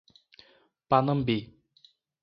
Panambi